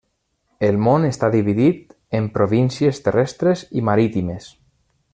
El món està dividit en províncies terrestres i marítimes.